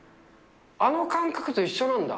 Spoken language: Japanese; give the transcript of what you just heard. あの感覚と一緒なんだ。